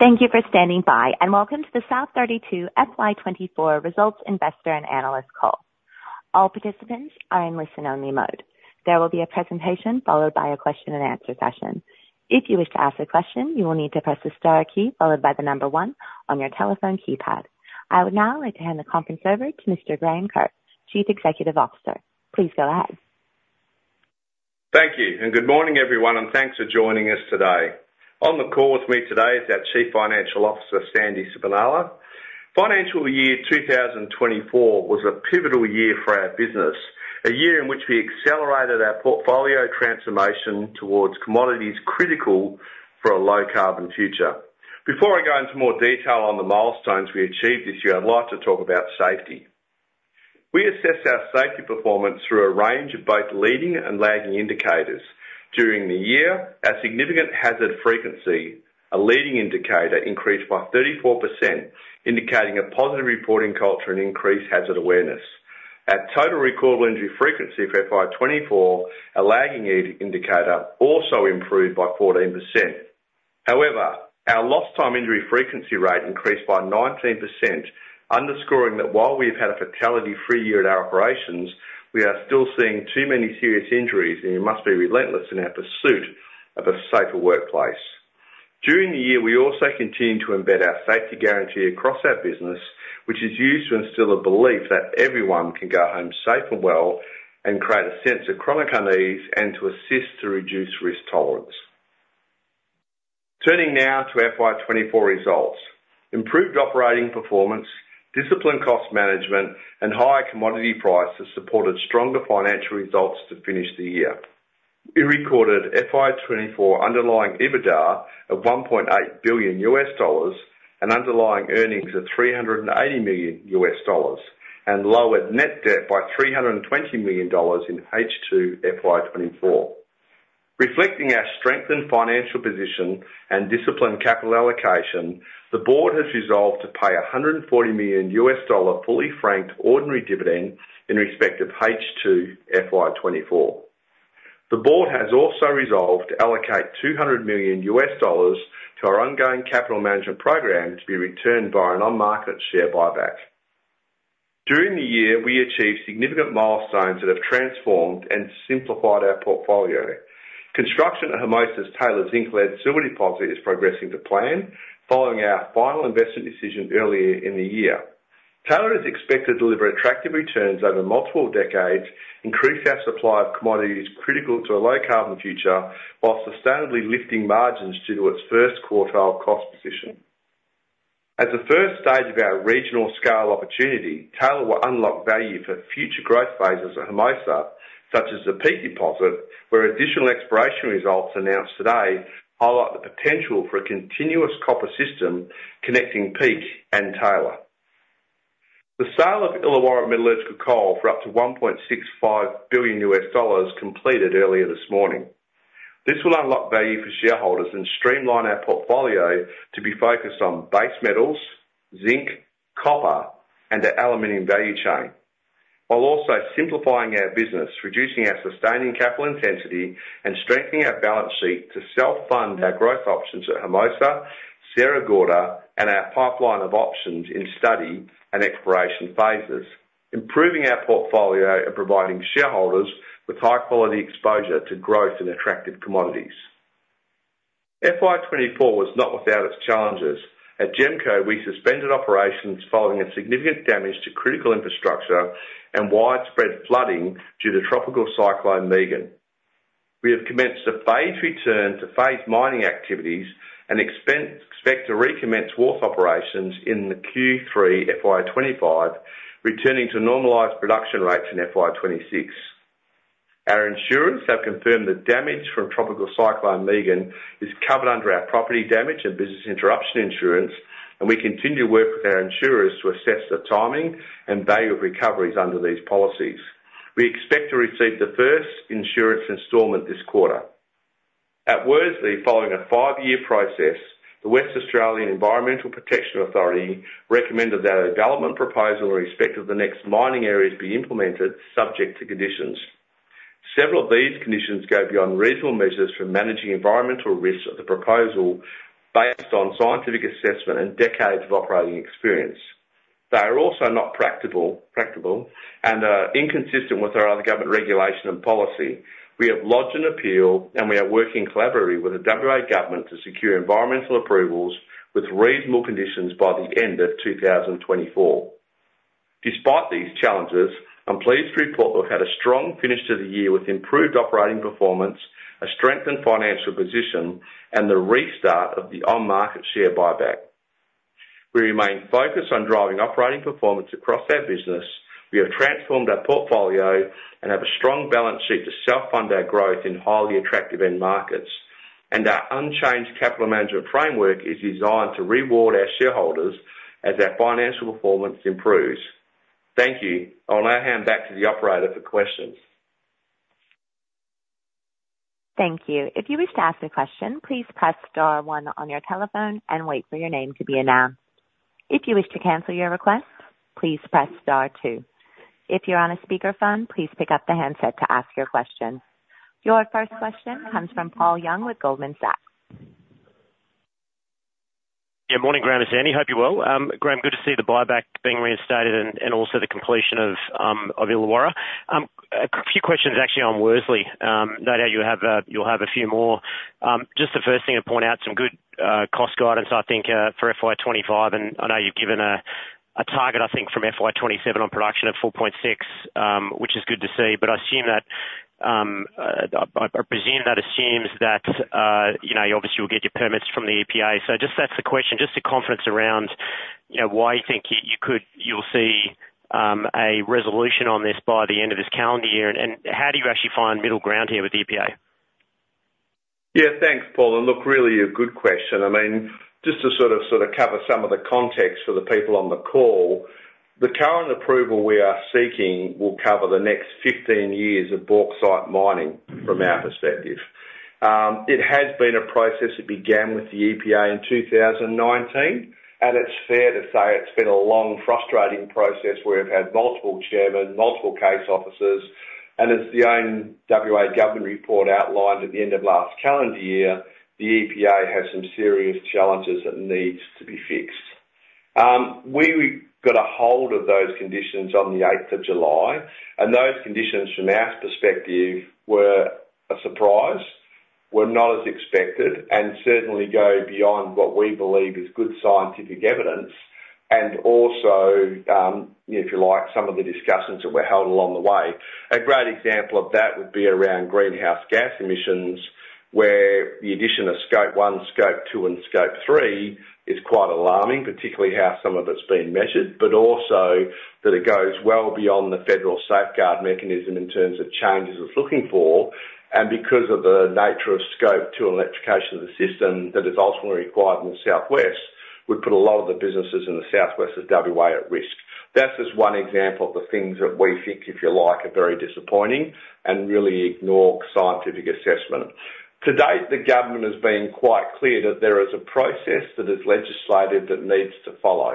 Thank you for standing by, and welcome to the South32 FY twenty-four Results Investor and Analyst Call. All participants are in listen-only mode. There will be a presentation followed by a question and answer session. If you wish to ask a question, you will need to press the star key followed by the number one on your telephone keypad. I would now like to hand the conference over to Mr. Graham Kerr, Chief Executive Officer. Please go ahead. Thank you, and good morning, everyone, and thanks for joining us today. On the call with me today is our Chief Financial Officer, Sandy Sibenaler. Financial year 2024 was a pivotal year for our business, a year in which we accelerated our portfolio transformation towards commodities critical for a low-carbon future. Before I go into more detail on the milestones we achieved this year, I'd like to talk about safety. We assess our safety performance through a range of both leading and lagging indicators. During the year, our significant hazard frequency, a leading indicator, increased by 34%, indicating a positive reporting culture and increased hazard awareness. Our total recordable injury frequency for FY 2024, a lagging indicator, also improved by 14%. However, our lost time injury frequency rate increased by 19%, underscoring that while we've had a fatality-free year at our operations, we are still seeing too many serious injuries, and we must be relentless in our pursuit of a safer workplace. During the year, we also continued to embed our safety guarantee across our business, which is used to instill a belief that everyone can go home safe and well and create a sense of chronic unease and to assist to reduce risk tolerance. Turning now to FY 2024 results. Improved operating performance, disciplined cost management, and higher commodity prices supported stronger financial results to finish the year. We recorded FY 2024 underlying EBITDA of $1.8 billion and underlying earnings of $380 million, and lowered net debt by $320 million in H2 FY 2024. Reflecting our strengthened financial position and disciplined capital allocation, the board has resolved to pay $140 million fully franked ordinary dividend in respect of H2 FY 2024. The board has also resolved to allocate $200 million to our ongoing capital management program to be returned via an on-market share buyback. During the year, we achieved significant milestones that have transformed and simplified our portfolio. Construction at Hermosa's Taylor Zinc-Lead Deposit is progressing to plan following our final investment decision earlier in the year. Taylor is expected to deliver attractive returns over multiple decades, increase our supply of commodities critical to a low-carbon future, while sustainably lifting margins due to its first quartile cost position. As the first stage of our regional scale opportunity, Taylor will unlock value for future growth phases at Hermosa, such as the Peake deposit, where additional exploration results announced today highlight the potential for a continuous copper system connecting Peake and Taylor. The sale of Illawarra Metallurgical Coal for up to $1.65 billion completed earlier this morning. This will unlock value for shareholders and streamline our portfolio to be focused on base metals, zinc, copper, and the aluminum value chain, while also simplifying our business, reducing our sustaining capital intensity, and strengthening our balance sheet to self-fund our growth options at Hermosa, Sierra Gorda, and our pipeline of options in study and exploration phases, improving our portfolio and providing shareholders with high-quality exposure to growth in attractive commodities. FY 2024 was not without its challenges. At GEMCO, we suspended operations following a significant damage to critical infrastructure and widespread flooding due to Tropical Cyclone Megan. We have commenced a phased return to phased mining activities and expect to recommence wharf operations in the Q3 FY 2025, returning to normalized production rates in FY 2026. Our insurers have confirmed the damage from Tropical Cyclone Megan is covered under our property damage and business interruption insurance, and we continue to work with our insurers to assess the timing and value of recoveries under these policies. We expect to receive the first insurance installment this quarter. At Worsley, following a five-year process, the Western Australian Environmental Protection Authority recommended that a development proposal in respect of the next mining areas be implemented, subject to conditions. Several of these conditions go beyond reasonable measures for managing environmental risks of the proposal based on scientific assessment and decades of operating experience. They are also not practical and are inconsistent with our other government regulation and policy. We have lodged an appeal, and we are working collaboratively with the WA government to secure environmental approvals with reasonable conditions by the end of 2024. Despite these challenges, I'm pleased to report we've had a strong finish to the year with improved operating performance, a strengthened financial position, and the restart of the on-market share buyback. We remain focused on driving operating performance across our business. We have transformed our portfolio and have a strong balance sheet to self-fund our growth in highly attractive end markets. And our unchanged capital management framework is designed to reward our shareholders as our financial performance improves. Thank you. I'll now hand back to the operator for questions. Thank you. If you wish to ask a question, please press star one on your telephone and wait for your name to be announced. If you wish to cancel your request, please press star two. If you're on a speakerphone, please pick up the handset to ask your question. Your first question comes from Paul Young with Goldman Sachs. Yeah, morning, Graham and Sandy. Hope you're well. Graham, good to see the buyback being reinstated and also the completion of Illawarra. A few questions actually on Worsley. No doubt you have, you'll have a few more. Just the first thing to point out, some good cost guidance, I think, for FY 2025, and I know you've given a target, I think, from FY 2027 on production of 4.6, which is good to see. But I assume that I presume that assumes that you know, obviously you'll get your permits from the EPA. Just that's the question, just the confidence around, you know, why you think you'll see a resolution on this by the end of this calendar year, and how do you actually find middle ground here with the EPA? Yeah, thanks, Paul, and look, really a good question. I mean, just to sort of cover some of the context for the people on the call, the current approval we are seeking will cover the next 15 years of bauxite mining, from our perspective. It has been a process that began with the EPA in 2019, and it's fair to say it's been a long, frustrating process where we've had multiple chairmen, multiple case officers. And as the Ombudsman WA government report outlined at the end of last calendar year, the EPA has some serious challenges that needs to be fixed. We got a hold of those conditions on the eighth of July, and those conditions, from our perspective, were a surprise, were not as expected, and certainly go beyond what we believe is good scientific evidence, and also, if you like, some of the discussions that were held along the way. A great example of that would be around greenhouse gas emissions, where the addition of Scope 1, Scope 2, and Scope 3 is quite alarming, particularly how some of it's being measured, but also that it goes well beyond the federal Safeguard Mechanism in terms of changes it's looking for, and because of the nature of Scope 2 and electrification of the system that is ultimately required in the southwest, would put a lot of the businesses in the southwest of WA at risk. That's just one example of the things that we think, if you like, are very disappointing and really ignore scientific assessment. To date, the government has been quite clear that there is a process that is legislated that needs to follow.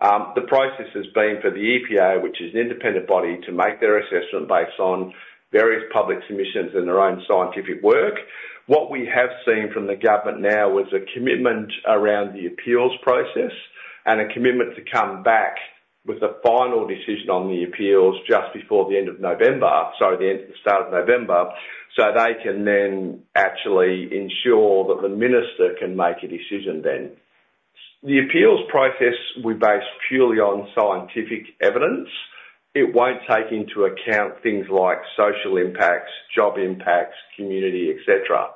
The process has been for the EPA, which is an independent body, to make their assessment based on various public submissions and their own scientific work. What we have seen from the government now is a commitment around the appeals process and a commitment to come back with a final decision on the appeals just before the end of November, so the start of November, so they can then actually ensure that the minister can make a decision then. The appeals process will be based purely on scientific evidence. It won't take into account things like social impacts, job impacts, community, et cetera.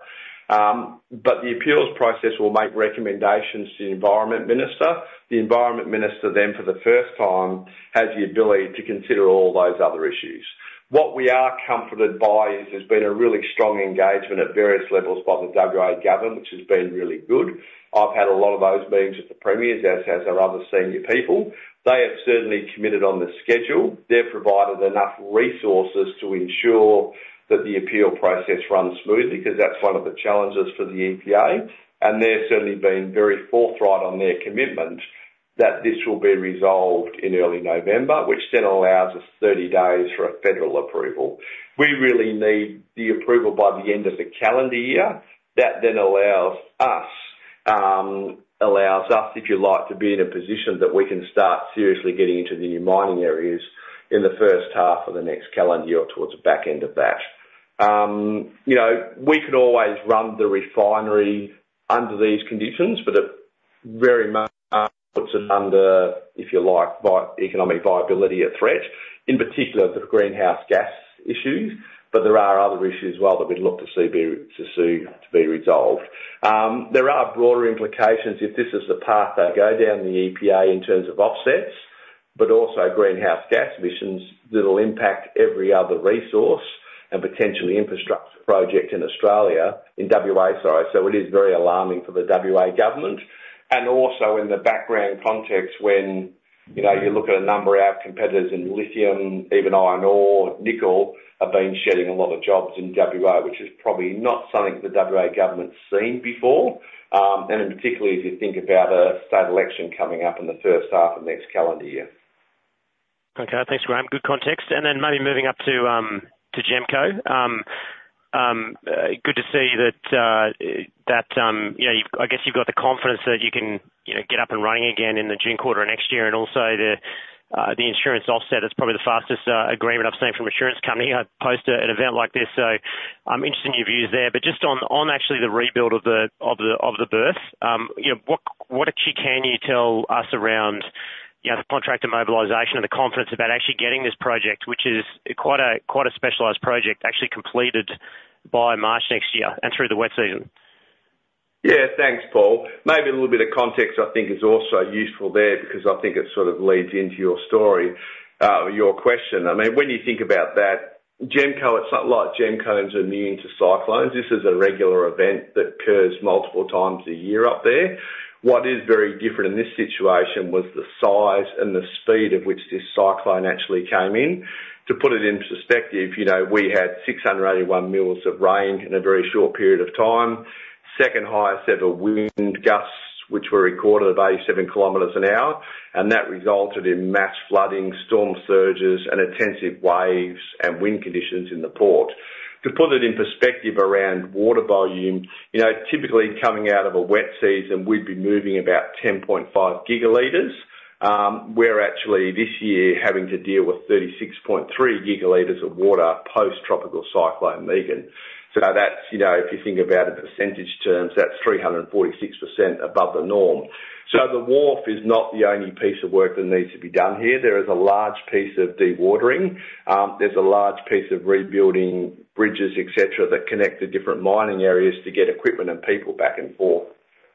But the appeals process will make recommendations to the environment minister. The environment minister then, for the first time, has the ability to consider all those other issues. What we are comforted by is there's been a really strong engagement at various levels by the WA government, which has been really good. I've had a lot of those meetings with the premiers, as has our other senior people. They have certainly committed on the schedule. They've provided enough resources to ensure that the appeal process runs smoothly, 'cause that's one of the challenges for the EPA, and they've certainly been very forthright on their commitment that this will be resolved in early November, which then allows us thirty days for a federal approval. We really need the approval by the end of the calendar year. That then allows us, if you like, to be in a position that we can start seriously getting into the new mining areas in the first half of the next calendar year, towards the back end of that. You know, we could always run the refinery under these conditions, but it very much puts it under, if you like, by economic viability, a threat, in particular the greenhouse gas issues. But there are other issues as well that we'd look to see to be resolved. There are broader implications if this is the path they go down, the EPA, in terms of offsets, but also greenhouse gas emissions that will impact every other resource and potentially infrastructure project in Australia, in WA, sorry. It is very alarming for the WA government, and also in the background context when, you know, you look at a number of our competitors in lithium, even iron ore, nickel, have been shedding a lot of jobs in WA, which is probably not something the WA government's seen before, and in particular as you think about a state election coming up in the first half of next calendar year. Okay, thanks, Graham. Good context. And then maybe moving up to GEMCO. Good to see that, you know, I guess you've got the confidence that you can, you know, get up and running again in the June quarter next year, and also the insurance offset. That's probably the fastest agreement I've seen from insurance company post an event like this, so I'm interested in your views there. But just on actually the rebuild of the berth, you know, what actually can you tell us around, you know, the contractor mobilization and the confidence about actually getting this project, which is quite a specialized project, actually completed by March next year and through the wet season? Yeah, thanks, Paul. Maybe a little bit of context I think is also useful there, because I think it sort of leads into your story, your question. I mean, when you think about that, GEMCO, it's not like GEMCO is immune to cyclones. This is a regular event that occurs multiple times a year up there. What is very different in this situation was the size and the speed at which this cyclone actually came in. To put it into perspective, you know, we had 681 mm of rain in a very short period of time. Second highest ever wind gusts, which were recorded at 87 kilometers an hour, and that resulted in mass flooding, storm surges, and intensive waves and wind conditions in the port. To put it in perspective around water volume, you know, typically coming out of a wet season, we'd be moving about 10.5 gigaliters. We're actually this year having to deal with 36.3 gigaliters of water post-Tropical Cyclone Megan. So that's, you know, if you think about it in percentage terms, that's 346% above the norm. So the wharf is not the only piece of work that needs to be done here. There is a large piece of dewatering. There's a large piece of rebuilding bridges, et cetera, that connect the different mining areas to get equipment and people back and forth.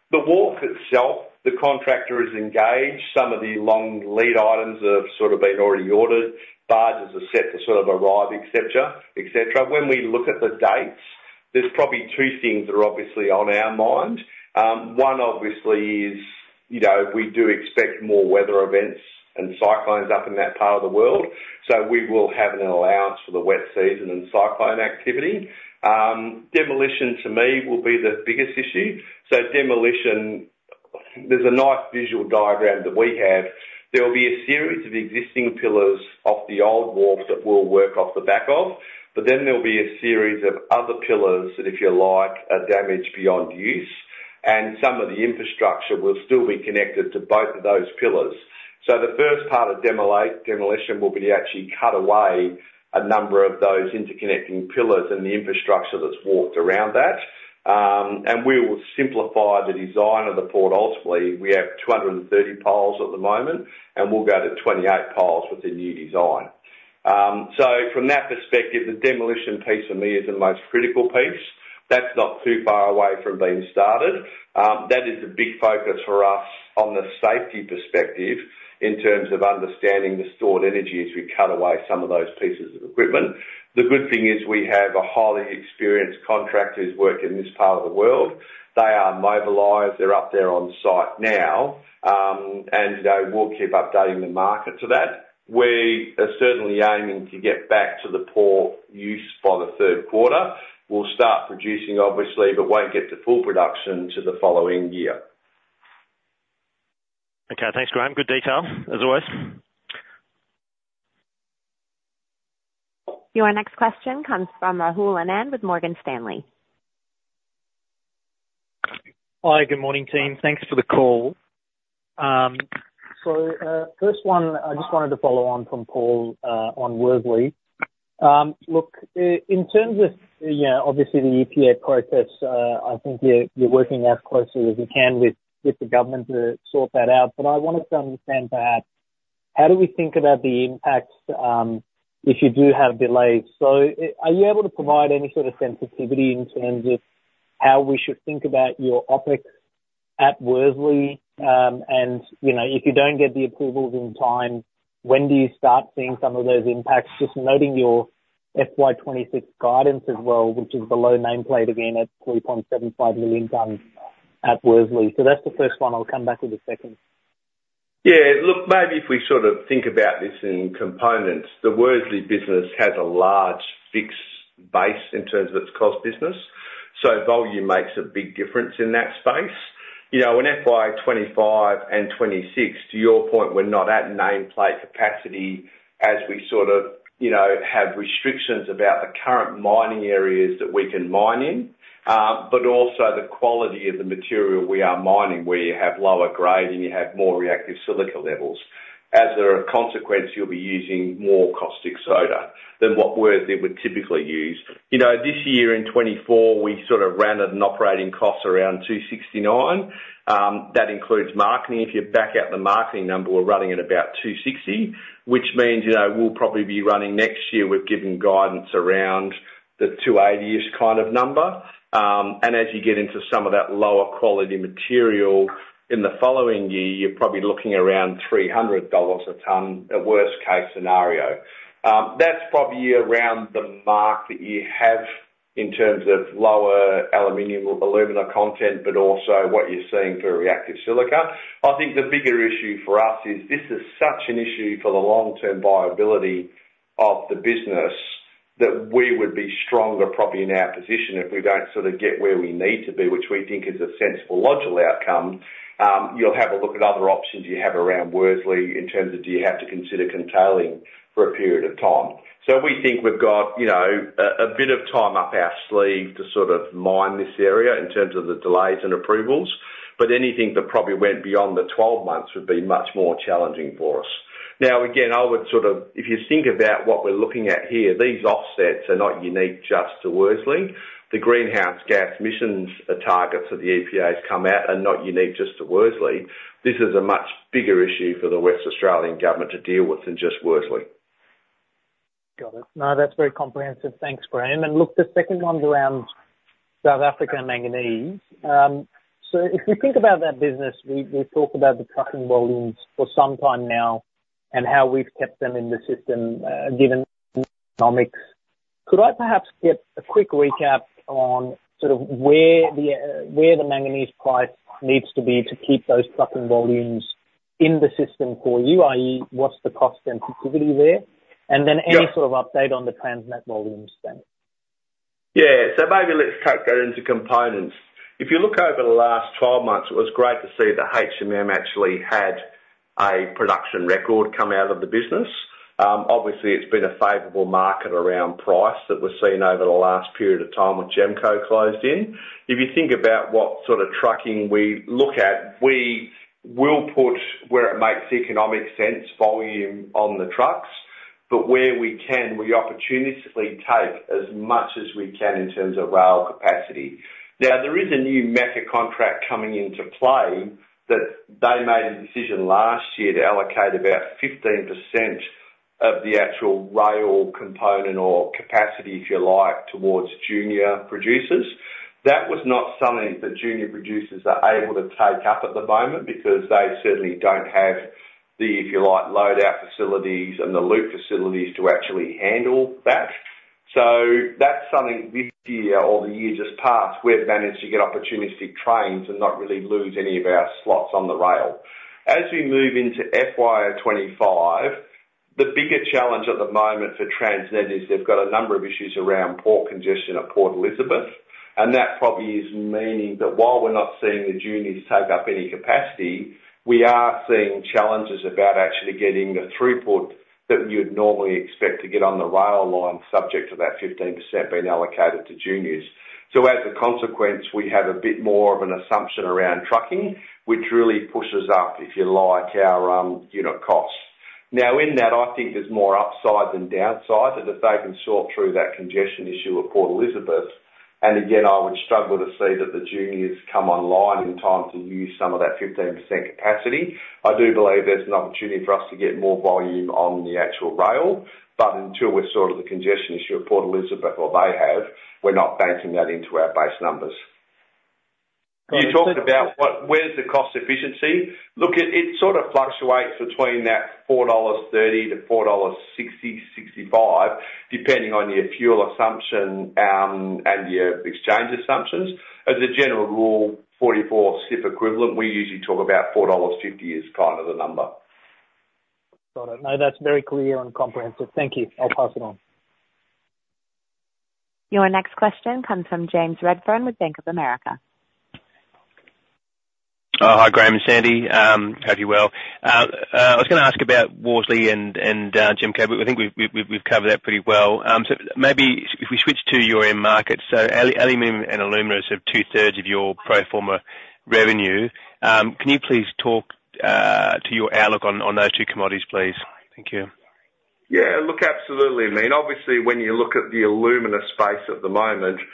The wharf itself, the contractor is engaged. Some of the long lead items have sort of been already ordered. Barges are set to sort of arrive, et cetera, et cetera. When we look at the dates, there's probably two things that are obviously on our mind. One obviously is, you know, we do expect more weather events and cyclones up in that part of the world, so we will have an allowance for the wet season and cyclone activity. Demolition to me will be the biggest issue. So demolition, there's a nice visual diagram that we have. There will be a series of existing pillars off the old wharf that we'll work off the back of, but then there'll be a series of other pillars, that if you like, are damaged beyond use, and some of the infrastructure will still be connected to both of those pillars. So the first part of demolition will be to actually cut away a number of those interconnecting pillars and the infrastructure that's wrapped around that. And we will simplify the design of the port ultimately. We have 230 piles at the moment, and we'll go to 28 piles with the new design. So from that perspective, the demolition piece for me is the most critical piece. That's not too far away from being started. That is a big focus for us on the safety perspective, in terms of understanding the stored energy as we cut away some of those pieces of equipment. The good thing is we have a highly experienced contractor who's worked in this part of the world. They are mobilized, they're up there on site now, and they will keep updating the market to that. We are certainly aiming to get back to the port use by the third quarter. We'll start producing, obviously, but won't get to full production till the following year. Okay, thanks, Graham. Good detail, as always. Your next question comes from Rahul Anand with Morgan Stanley. Hi, good morning, team. Thanks for the call. So, first one, I just wanted to follow on from Paul, on Worsley. Look, in terms of, you know, obviously the EPA process, I think you're, you're working as closely as you can with, with the government to sort that out, but I wanted to understand perhaps, how do we think about the impacts, if you do have delays? So, are you able to provide any sort of sensitivity in terms of how we should think about your OpEx at Worsley? And, you know, if you don't get the approvals in time, when do you start seeing some of those impacts? Just noting your FY 2026 guidance as well, which is below nameplate again at 3.75 million tons at Worsley. So that's the first one. I'll come back with the second. Yeah, look, maybe if we sort of think about this in components, the Worsley business has a large fixed base in terms of its cost business, so volume makes a big difference in that space. You know, in FY 2025 and 2026, to your point, we're not at nameplate capacity as we sort of, you know, have restrictions about the current mining areas that we can mine in, but also the quality of the material we are mining, where you have lower grade and you have more reactive silica levels. As a consequence, you'll be using more caustic soda than what Worsley would typically use. You know, this year in 2024, we sort of rounded an operating cost around $269. That includes marketing. If you back out the marketing number, we're running at about $260, which means, you know, we'll probably be running next year. We've given guidance around the $280-ish kind of number, and as you get into some of that lower quality material in the following year, you're probably looking around $300 a ton, a worst case scenario. That's probably around the mark that you have in terms of lower aluminum-alumina content, but also what you're seeing for reactive silica. I think the bigger issue for us is, this is such an issue for the long-term viability of the business, that we would be stronger, probably, in our position if we don't sort of get where we need to be, which we think is a sensible, logical outcome. You'll have a look at other options you have around Worsley in terms of, do you have to consider curtailing for a period of time? So we think we've got, you know, a bit of time up our sleeve to sort of mine this area in terms of the delays and approvals, but anything that probably went beyond the 12 months would be much more challenging for us. Now, again, I would sort of if you think about what we're looking at here, these offsets are not unique just to Worsley. The greenhouse gas emissions targets that the EPA has come out are not unique just to Worsley. This is a much bigger issue for the Western Australian government to deal with than just Worsley. Got it. No, that's very comprehensive. Thanks, Graham, and look, the second one's around South Africa and manganese. So if you think about that business, we've talked about the truck volumes for some time now and how we've kept them in the system, given economics. Could I perhaps get a quick recap on sort of where the manganese price needs to be to keep those truck volumes? In the system for UAE, what's the cost sensitivity there? Yeah. And then any sort of update on the Transnet volume spend? Yeah. So maybe let's take that into components. If you look over the last twelve months, it was great to see that HMM actually had a production record come out of the business. Obviously, it's been a favorable market around price that was seen over the last period of time with GEMCO closed in. If you think about what sort of trucking we look at, we will put, where it makes economic sense, volume on the trucks, but where we can, we opportunistically take as much as we can in terms of rail capacity. Now, there is a new rail contract coming into play, that they made a decision last year to allocate about 15% of the actual rail component or capacity, if you like, towards junior producers. That was not something that junior producers are able to take up at the moment, because they certainly don't have the, if you like, load-out facilities and the loop facilities to actually handle that. So that's something this year or the year just past, we've managed to get opportunistic trains and not really lose any of our slots on the rail. As we move into FY 2025, the bigger challenge at the moment for Transnet is they've got a number of issues around port congestion at Port Elizabeth, and that probably is meaning that while we're not seeing the juniors take up any capacity, we are seeing challenges about actually getting the throughput that you would normally expect to get on the rail line, subject to that 15% being allocated to juniors. So as a consequence, we have a bit more of an assumption around trucking, which really pushes up, if you like, our, you know, costs. Now, in that, I think there's more upside than downside, is if they can sort through that congestion issue at Port Elizabeth, and again, I would struggle to see that the juniors come online in time to use some of that 15% capacity. I do believe there's an opportunity for us to get more volume on the actual rail, but until we've sorted the congestion issue at Port Elizabeth, or they have, we're not banking that into our base numbers. You talked about what - where's the cost efficiency? Look, it, it sort of fluctuates between that $4.30-$4.65, depending on your fuel assumption, and your exchange assumptions. As a general rule, forty-four CIF equivalent, we usually talk about $4.50 is kind of the number. Got it. No, that's very clear and comprehensive. Thank you. I'll pass it on. Your next question comes from James Redfern with Bank of America. Hi, Graham and Sandy. Hope you're well. I was gonna ask about Worsley and GEMCO, but I think we've covered that pretty well. So maybe if we switch to your end market, so aluminum and alumina is of two-thirds of your pro forma revenue. Can you please talk to your outlook on those two commodities, please? Thank you. Yeah, look, absolutely. I mean, obviously, when you look at the alumina space at the moment, you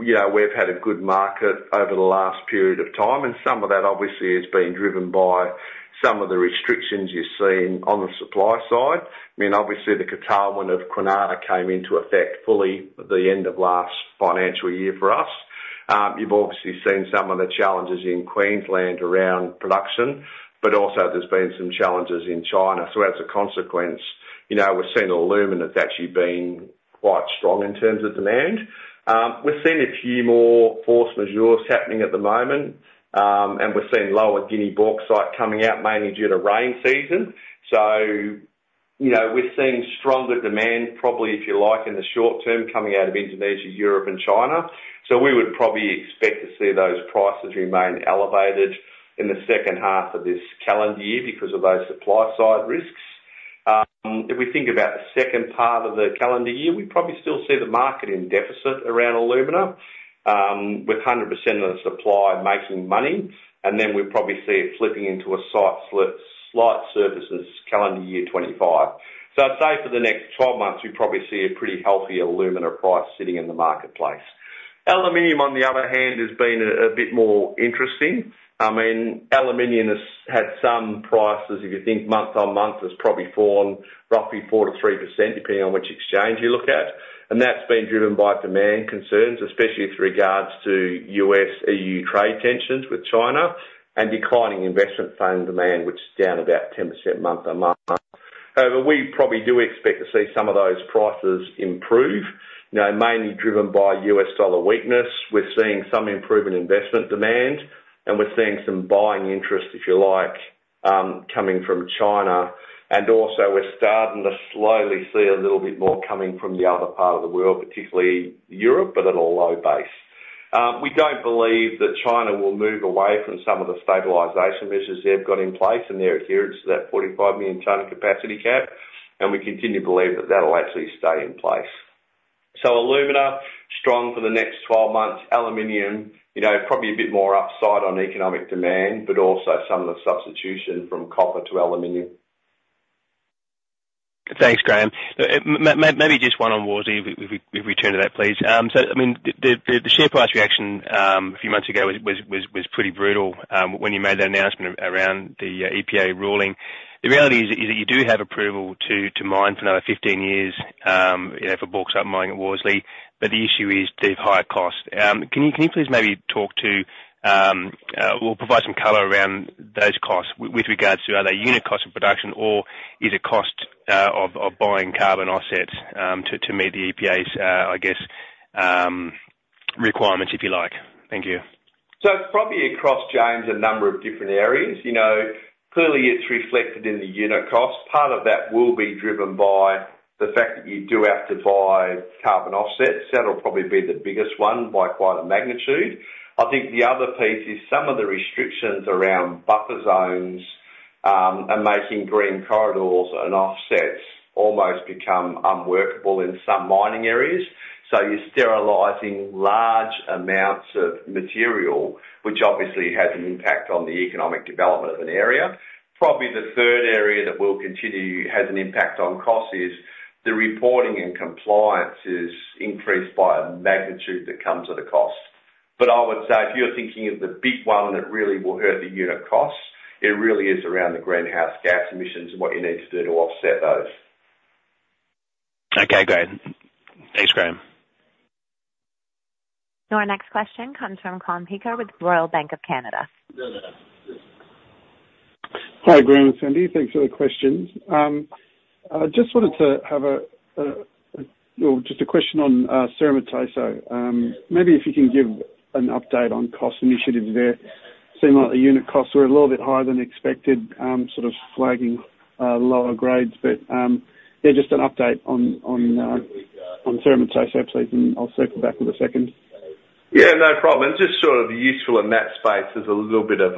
know, we've had a good market over the last period of time, and some of that obviously has been driven by some of the restrictions you've seen on the supply side. I mean, obviously, the curtailment of Kwinana came into effect fully at the end of last financial year for us. You've obviously seen some of the challenges in Queensland around production, but also there's been some challenges in China. So as a consequence, you know, we're seeing alumina that's actually been quite strong in terms of demand. We've seen a few more force majeure happening at the moment, and we're seeing lower Guinea bauxite coming out, mainly due to rainy season. So, you know, we're seeing stronger demand, probably, if you like, in the short term, coming out of Indonesia, Europe, and China. So we would probably expect to see those prices remain elevated in the second half of this calendar year because of those supply side risks. If we think about the second part of the calendar year, we probably still see the market in deficit around alumina, with 100% of the supply making money, and then we probably see it flipping into a slight surplus calendar year 2025. So I'd say for the next twelve months, we probably see a pretty healthy alumina price sitting in the marketplace. Aluminum, on the other hand, has been a bit more interesting. I mean, aluminum has had some prices, if you think month on month, has probably fallen roughly 4%-3%, depending on which exchange you look at, and that's been driven by demand concerns, especially with regards to U.S.-E.U. trade tensions with China, and declining investment fund demand, which is down about 10% month-on-month. However, we probably do expect to see some of those prices improve, you know, mainly driven by US dollar weakness. We're seeing some improvement in investment demand, and we're seeing some buying interest, if you like, coming from China, and also, we're starting to slowly see a little bit more coming from the other part of the world, particularly Europe, but at a low base. We don't believe that China will move away from some of the stabilization measures they've got in place and their adherence to that 45 million ton capacity cap, and we continue to believe that that'll actually stay in place. So alumina, strong for the next 12 months. Aluminum, you know, probably a bit more upside on economic demand, but also some of the substitution from copper to aluminum. Thanks, Graham. Maybe just one on Worsley, if we return to that, please. So I mean, the share price reaction a few months ago was pretty brutal, when you made that announcement around the EPA ruling. The reality is that you do have approval to mine for another fifteen years, you know, for bauxite mining at Worsley, but the issue is the higher cost. Can you please maybe talk to or provide some color around those costs with regards to, are they unit cost of production, or is it cost of buying carbon offsets, to meet the EPA's, I guess, Requirements, if you like. Thank you. So it's probably across, James, a number of different areas. You know, clearly, it's reflected in the unit cost. Part of that will be driven by the fact that you do have to buy carbon offsets. That'll probably be the biggest one by quite a magnitude. I think the other piece is some of the restrictions around buffer zones are making green corridors and offsets almost become unworkable in some mining areas. So you're sterilizing large amounts of material, which obviously has an impact on the economic development of an area. Probably the third area that will continue, has an impact on cost is the reporting and compliance is increased by a magnitude that comes at a cost. But I would say, if you're thinking of the big one that really will hurt the unit costs, it really is around the greenhouse gas emissions and what you need to do to offset those. Okay, great. Thanks, Graham. Your next question comes from Kaan Peker with Royal Bank of Canada. Hi, Graham and Sandy. Thanks for the questions. I just wanted to have a question on Cerro Matoso. Maybe if you can give an update on cost initiatives there. Seemed like the unit costs were a little bit higher than expected, sort of flagging lower grades. But, yeah, just an update on Cerro Matoso, absolutely, and I'll circle back with a second. Yeah, no problem. It's just sort of useful in that space. There's a little bit of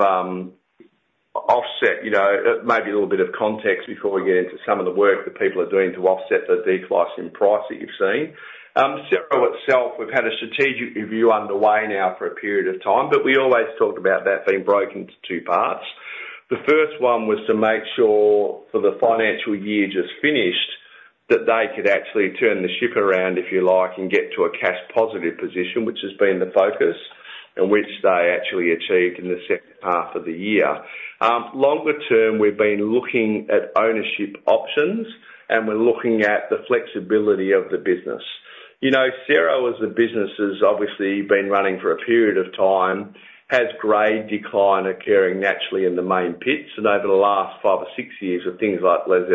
offset, you know, maybe a little bit of context before we get into some of the work that people are doing to offset the decline in price that you've seen. Cerro itself, we've had a strategic review underway now for a period of time, but we always talked about that being broken into two parts. The first one was to make sure for the financial year just finished, that they could actually turn the ship around, if you like, and get to a cash positive position, which has been the focus, and which they actually achieved in the second half of the year. Longer term, we've been looking at ownership options, and we're looking at the flexibility of the business. You know, Cerro as a business has obviously been running for a period of time, has grade decline occurring naturally in the main pits, and over the last five or six years, with things like Las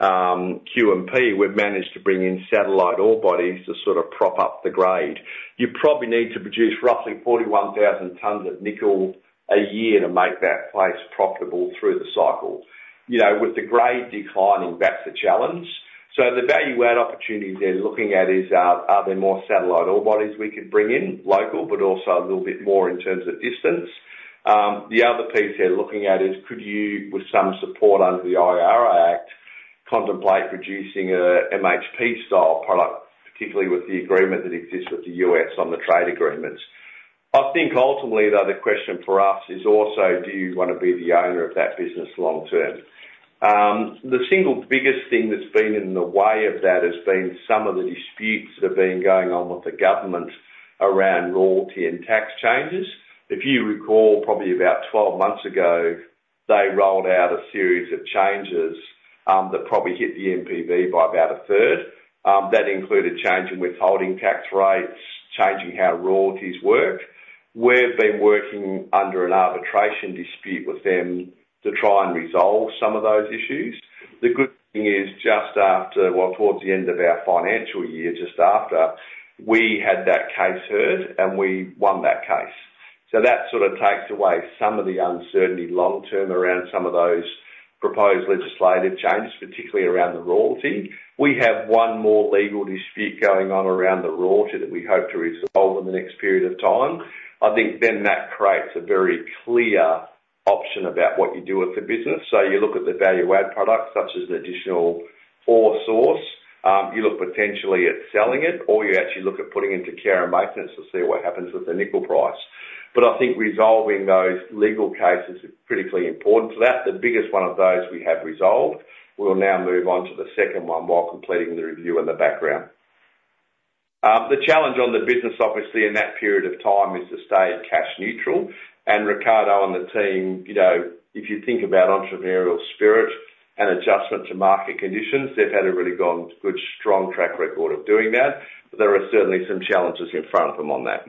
Esmeraldas, Q&P, we've managed to bring in satellite ore bodies to sort of prop up the grade. You probably need to produce roughly 41,000 tons of nickel a year to make that place profitable through the cycle. You know, with the grade declining, that's the challenge. So the value-add opportunities they're looking at is, are there more satellite ore bodies we could bring in, local, but also a little bit more in terms of distance? The other piece they're looking at is could you, with some support under the IRA Act, contemplate producing a MHP-style product, particularly with the agreement that exists with the U.S. on the trade agreements? I think ultimately, though, the question for us is also: Do you want to be the owner of that business long term? The single biggest thing that's been in the way of that has been some of the disputes that have been going on with the government around royalty and tax changes. If you recall, probably about twelve months ago, they rolled out a series of changes, that probably hit the NPV by about a third. That included changing withholding tax rates, changing how royalties work. We've been working under an arbitration dispute with them to try and resolve some of those issues. The good thing is, just after, towards the end of our financial year, just after, we had that case heard, and we won that case. So that sort of takes away some of the uncertainty long term around some of those proposed legislative changes, particularly around the royalty. We have one more legal dispute going on around the royalty that we hope to resolve in the next period of time. I think then that creates a very clear option about what you do with the business. So you look at the value add products, such as the additional ore source, you look potentially at selling it, or you actually look at putting into care and maintenance to see what happens with the nickel price. But I think resolving those legal cases is critically important to that. The biggest one of those we have resolved, we will now move on to the second one while completing the review in the background. The challenge on the business, obviously, in that period of time, is to stay cash neutral. And Ricardo and the team, you know, if you think about entrepreneurial spirit and adjustment to market conditions, they've had a really good, strong track record of doing that, but there are certainly some challenges in front of them on that.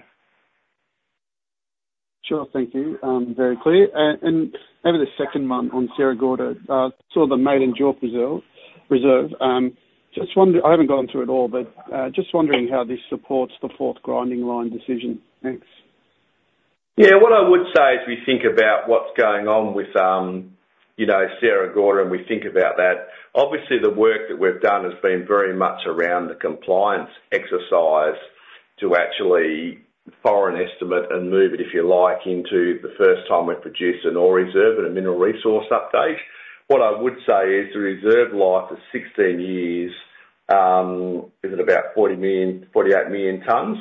Sure. Thank you. Very clear. And maybe the second one on Sierra Gorda. Saw the Maiden Ore Reserve. I haven't gone through it all, but just wondering how this supports the fourth grinding line decision. Thanks. Yeah. What I would say is, we think about what's going on with, you know, Cerro Matoso, and we think about that. Obviously, the work that we've done has been very much around the compliance exercise to actually JORC estimate and move it, if you like, into the first time we've produced an ore reserve and a mineral resource update. What I would say is the reserve life is 16 years, is at about 40 million-48 million tons.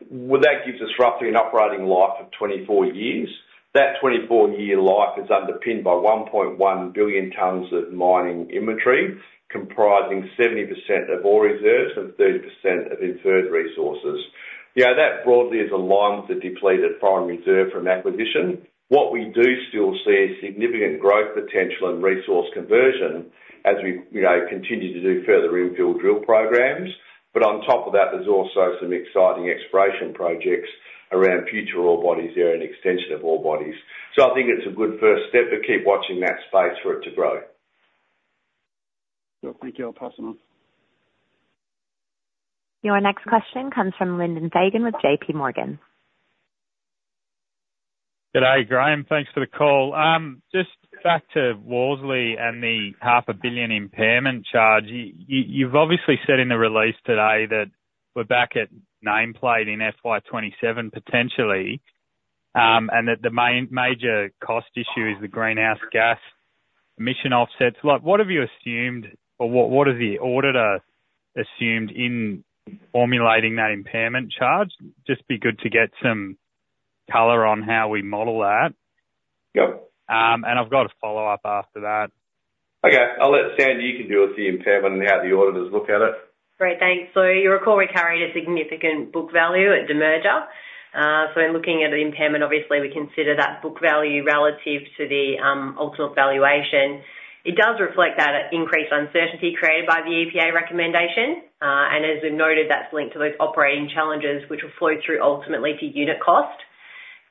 That gives us roughly an operating life of 24 years. That 24-year life is underpinned by 1.1 billion tons of mining inventory, comprising 70% of ore reserves and 30% of inferred resources. Yeah, that broadly is in line with the depleted JORC reserve from acquisition. What we do still see is significant growth, potential and resource conversion as we, you know, continue to do further infill drill programs. But on top of that, there's also some exciting exploration projects around future ore bodies there and extension of ore bodies. So I think it's a good first step to keep watching that space for it to grow. So thank you. I'll pass them on. Your next question comes from Lyndon Fagan with JP Morgan. Good day, Graham. Thanks for the call. Just back to Worsley and the $500 million impairment charge. You've obviously said in the release today that we're back at nameplate in FY 2027, potentially, and that the major cost issue is the greenhouse gas emission offsets. Like, what have you assumed, or what has the auditor assumed in formulating that impairment charge? Just be good to get some color on how we model that. Yep. And I've got a follow-up after that. Okay, I'll let Sandy, you can do it, the impairment and how the auditors look at it. Great. Thanks. So you'll recall we carried a significant book value at demerger. So in looking at the impairment, obviously, we consider that book value relative to the ultimate valuation. It does reflect that increased uncertainty created by the EPA recommendation, and as we've noted, that's linked to those operating challenges, which will flow through ultimately to unit cost.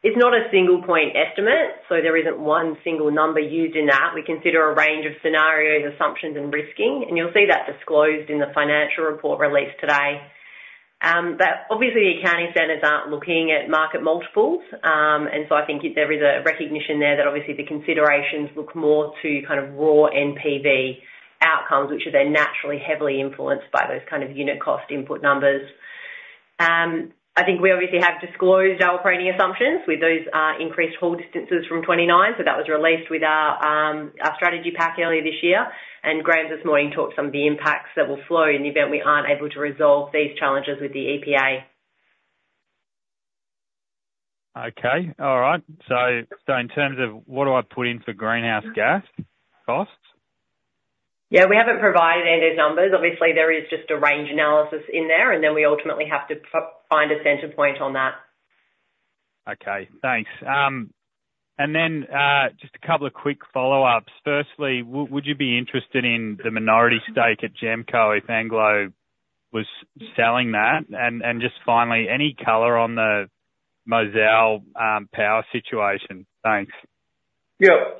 It's not a single point estimate, so there isn't one single number used in that. We consider a range of scenarios, assumptions, and risking, and you'll see that disclosed in the financial report released today. But obviously, the accounting standards aren't looking at market multiples, and so I think there is a recognition there that obviously the considerations look more to kind of raw NPV outcomes, which are then naturally heavily influenced by those kind of unit cost input numbers. I think we obviously have disclosed our operating assumptions with those increased haul distances from 29, so that was released with our strategy pack earlier this year, and Graham this morning talked some of the impacts that will flow in the event we aren't able to resolve these challenges with the EPA. Okay. All right. So in terms of what do I put in for greenhouse gas costs? Yeah, we haven't provided any numbers. Obviously, there is just a range analysis in there, and then we ultimately have to find a center point on that. Okay, thanks. And then, just a couple of quick follow-ups. Firstly, would you be interested in the minority stake at GEMCO if Anglo was selling that? And just finally, any color on the Mozal power situation? Thanks. Yeah.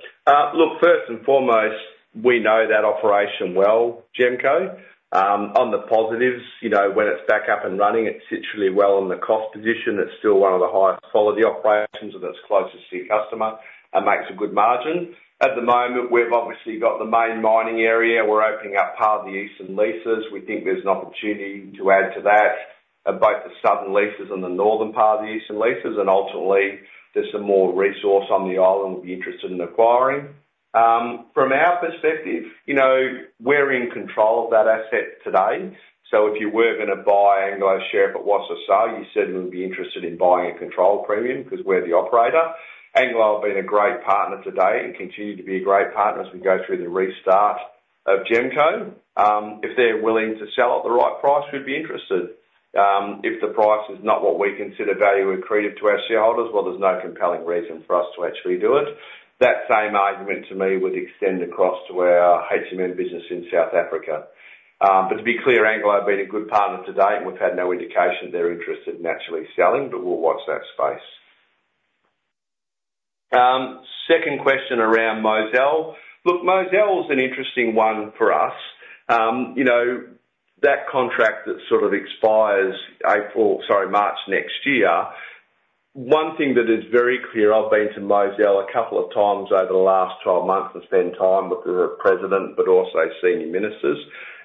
Look, first and foremost, we know that operation well, GEMCO. On the positives, you know, when it's back up and running, it sits really well in the cost position. It's still one of the highest quality operations, and it's closest to your customer and makes a good margin. At the moment, we've obviously got the main mining area. We're opening up part of the eastern leases. We think there's an opportunity to add to that, of both the southern leases and the northern part of the eastern leases, and ultimately, there's some more resource on the island we'd be interested in acquiring. From our perspective, you know, we're in control of that asset today, so if you were going to buy Anglo's share if it was for sale, you certainly would be interested in buying a control premium, because we're the operator. Anglo has been a great partner today and continue to be a great partner as we go through the restart of GEMCO. If they're willing to sell at the right price, we'd be interested. If the price is not what we consider value accretive to our shareholders, well, there's no compelling reason for us to actually do it. That same argument, to me, would extend across to our HMM business in South Africa. But to be clear, Anglo have been a good partner to date, and we've had no indication they're interested in actually selling, but we'll watch that space. Second question around Mozal. Look, Mozal is an interesting one for us. You know, that contract that sort of expires April, sorry, March next year. One thing that is very clear. I've been to Mozal a couple of times over the last twelve months and spent time with the president, but also senior ministers,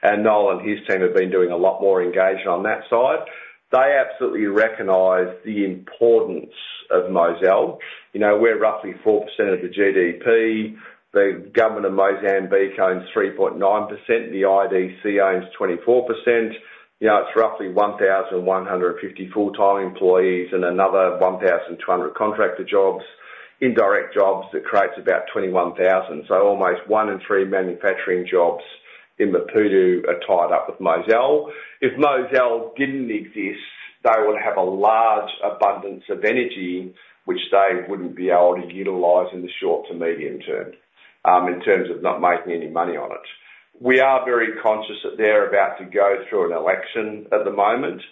and Noel and his team have been doing a lot more engagement on that side. They absolutely recognize the importance of Mozal. You know, we're roughly 4% of the GDP. The government of Mozambique owns 3.9%. The IDC owns 24%. You know, it's roughly 1,100 full-time employees and another 1,200 contractor jobs. Indirect jobs, it creates about 21,000. So almost one in three manufacturing jobs in Maputo are tied up with Mozal. If Mozal didn't exist, they would have a large abundance of energy, which they wouldn't be able to utilize in the short to medium term, in terms of not making any money on it. We are very conscious that they're about to go through an election at the moment.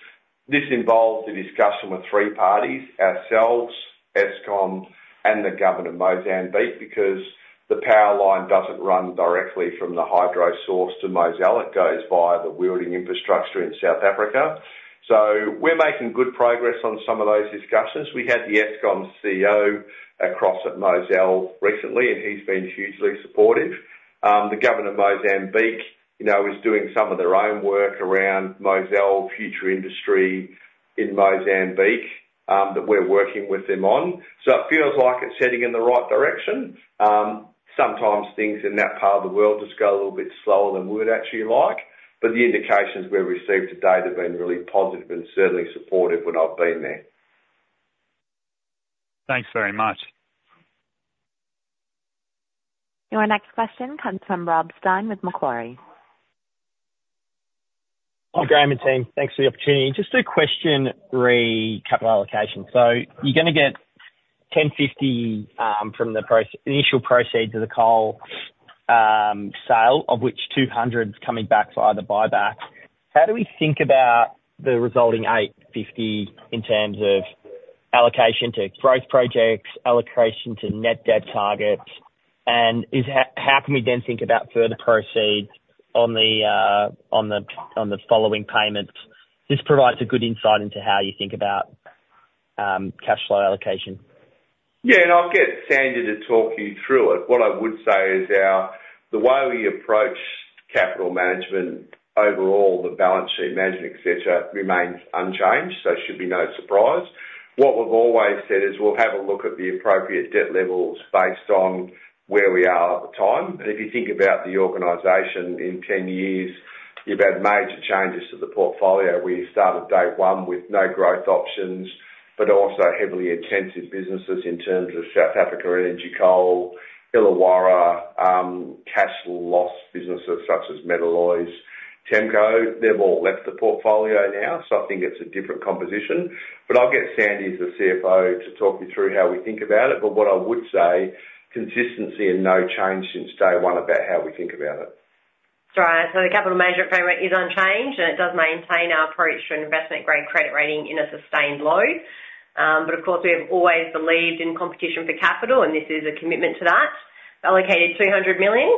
This involves a discussion with three parties: ourselves, Eskom, and the government of Mozambique, because the power line doesn't run directly from the hydro source to Mozal. It goes via the wheeling infrastructure in South Africa. So we're making good progress on some of those discussions. We had the Eskom CEO across at Mozal recently, and he's been hugely supportive. The government of Mozambique, you know, is doing some of their own work around Mozal future industry in Mozambique, that we're working with them on. So it feels like it's heading in the right direction. Sometimes things in that part of the world just go a little bit slower than we'd actually like, but the indications we've received to date have been really positive and certainly supportive when I've been there. Thanks very much. Your next question comes from Rob Stein with Macquarie. Hi, Graham and team. Thanks for the opportunity. Just a question re: capital allocation. So you're gonna get $1,050 million from the initial proceeds of the coal sale, of which $200 million is coming back via the buyback. How do we think about the resulting $850 million in terms of allocation to growth projects, allocation to net debt targets, and how can we then think about further proceeds on the following payments? This provides a good insight into how you think about cash flow allocation. Yeah, and I'll get Sandy to talk you through it. What I would say is our, the way we approach capital management, overall, the balance sheet management, et cetera, remains unchanged, so should be no surprise. What we've always said is, we'll have a look at the appropriate debt levels based on where we are at the time. But if you think about the organization in ten years, you've had major changes to the portfolio. We started day one with no growth options, but also heavily intensive businesses in terms of South Africa, Energy Coal, Illawarra, cash loss businesses such as Metalloys, TEMCO. They've all left the portfolio now, so I think it's a different composition. But I'll get Sandy, as the CFO, to talk you through how we think about it. But what I would say, consistency and no change since day one about how we think about it. Sorry, so the capital management framework is unchanged, and it does maintain our approach to an investment-grade credit rating in a sustained low. But of course, we have always believed in competition for capital, and this is a commitment to that. Allocated $200 million,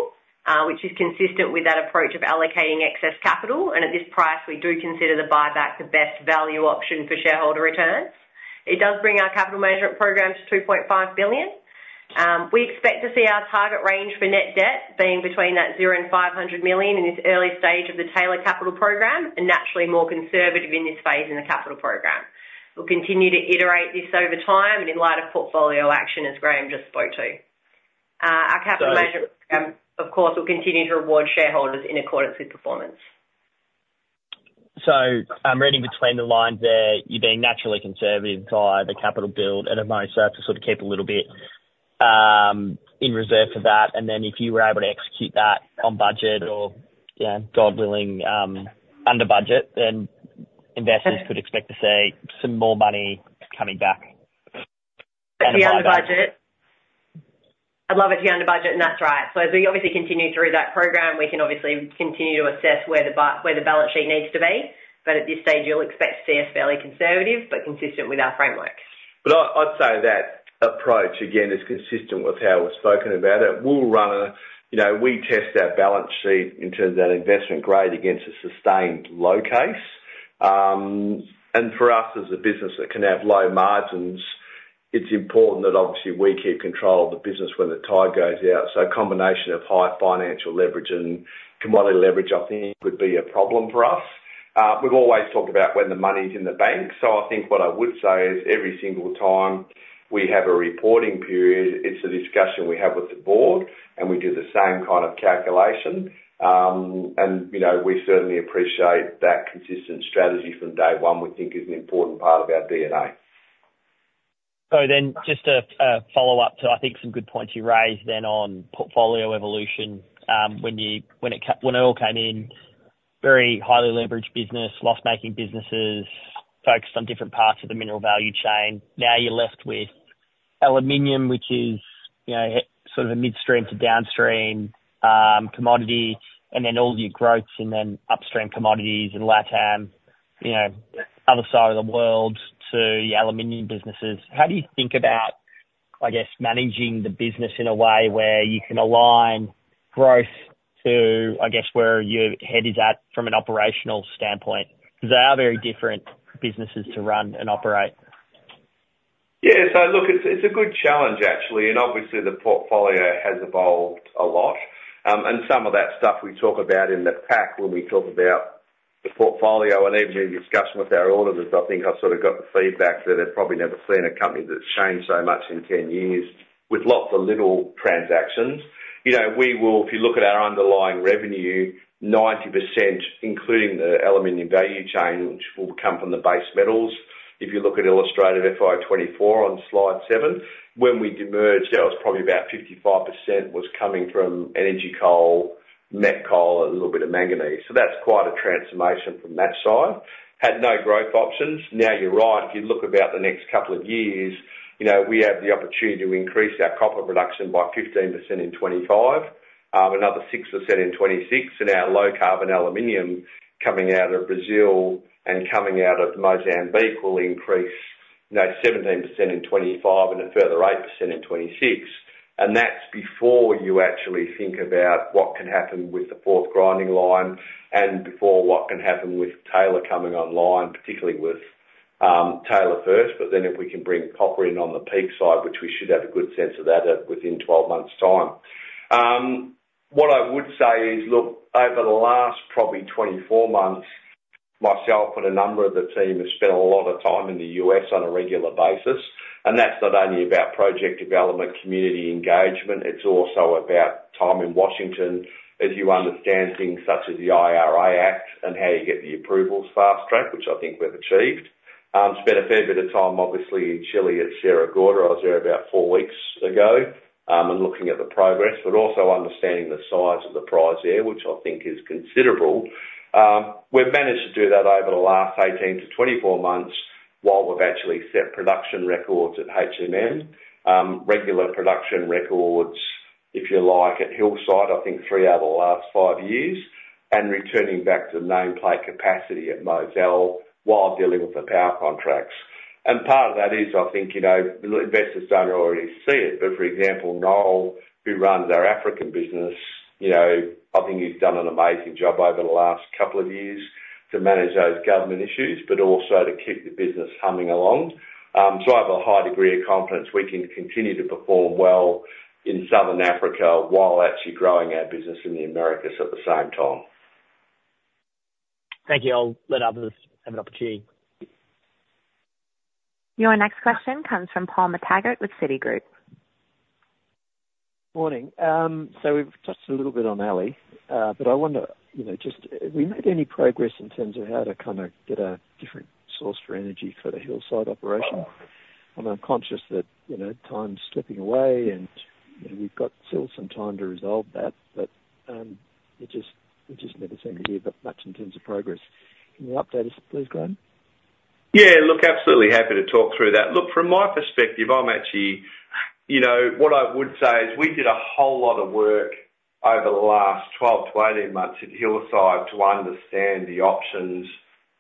which is consistent with that approach of allocating excess capital, and at this price, we do consider the buyback the best value option for shareholder returns. It does bring our capital management program to $2.5 billion. We expect to see our target range for net debt being between that $0 and $500 million in this early stage of the Taylor capital program, and naturally, more conservative in this phase in the capital program. We'll continue to iterate this over time and in light of portfolio action, as Graham just spoke to. Our capital management, of course, will continue to reward shareholders in accordance with performance. I'm reading between the lines there, you're being naturally conservative by the capital build and among staff to sort of keep a little bit in reserve for that. And then if you were able to execute that on budget or, you know, God willing, under budget, then investors could expect to see some more money coming back. If we're under budget. I'd love it to be under budget, and that's right. As we obviously continue through that program, we can obviously continue to assess where the balance sheet needs to be, but at this stage, you'll expect to see us fairly conservative, but consistent with our framework. But I'd say that approach, again, is consistent with how we've spoken about it. You know, we test our balance sheet in terms of that investment grade against a sustained low case. And for us, as a business that can have low margins, it's important that obviously we keep control of the business when the tide goes out. So a combination of high financial leverage and commodity leverage, I think, would be a problem for us. We've always talked about when the money's in the bank, so I think what I would say is every single time we have a reporting period, it's a discussion we have with the board, and we do the same kind of calculation. And, you know, we certainly appreciate that consistent strategy from day one, we think is an important part of our DNA. So then just a follow-up to, I think, some good points you raised then on portfolio evolution. When it all came in, very highly leveraged business, loss-making businesses, focused on different parts of the mineral value chain. Now, you're left with aluminum, which is, you know, sort of a midstream to downstream commodity, and then all your growths and then upstream commodities and Latam, you know, other side of the world to the aluminum businesses. How do you think about, I guess, managing the business in a way where you can align growth to, I guess, where your head is at from an operational standpoint? Because they are very different businesses to run and operate. Yeah, so look, it's a good challenge, actually, and obviously, the portfolio has evolved a lot. And some of that stuff we talk about in the pack when we talk about the portfolio and even in discussion with our auditors, I think I've sort of got the feedback that they've probably never seen a company that's changed so much in ten years with lots of little transactions. You know, we'll—if you look at our underlying revenue, 90%, including the aluminum value chain, which will come from the base metals. If you look at illustrated FY 2024 on slide seven, when we demerged, that was probably about 55% was coming from energy coal, met coal, and a little bit of manganese. So that's quite a transformation from that side. Had no growth options. Now, you're right, if you look about the next couple of years, you know, we have the opportunity to increase our copper production by 15% in 2025, another 6% in 2026, and our low-carbon aluminum coming out of Brazil and coming out of Mozambique will increase, you know, 17% in 2025 and a further 8% in 2026. And that's before you actually think about what can happen with the fourth grinding line and before what can happen with Taylor coming online, particularly with, Taylor first, but then if we can bring copper in on the Peake side, which we should have a good sense of that at within twelve months' time. What I would say is, look, over the last probably 24 months, myself and a number of the team have spent a lot of time in the U.S. on a regular basis, and that's not only about project development, community engagement, it's also about time in Washington, as you understand things such as the IRA Act and how you get the approvals fast-tracked, which I think we've achieved. Spent a fair bit of time, obviously, in Chile, at Sierra Gorda. I was there about four weeks ago, and looking at the progress, but also understanding the size of the prize there, which I think is considerable. We've managed to do that over the last 18 to 24 months, while we've actually set production records at HMM, regular production records-... If you like, at Hillside, I think three out of the last five years, and returning back to nameplate capacity at Mozal while dealing with the power contracts. And part of that is, I think, you know, investors don't already see it, but for example, Noel, who runs our African business, you know, I think he's done an amazing job over the last couple of years to manage those government issues, but also to keep the business humming along. So I have a high degree of confidence we can continue to perform well in Southern Africa while actually growing our business in the Americas at the same time. Thank you. I'll let others have an opportunity. Your next question comes from Paul McTaggart with Citigroup. Morning. So we've touched a little bit on Alcoa, but I wonder, you know, just have we made any progress in terms of how to kind of get a different source for energy for the Hillside operation? And I'm conscious that, you know, time's slipping away, and, you know, we've got still some time to resolve that, but, it just never seem to hear that much in terms of progress. Can you update us, please, Graham? Yeah, look, absolutely happy to talk through that. Look, from my perspective, I'm actually, you know, what I would say is we did a whole lot of work over the last 12-18 months at Hillside to understand the options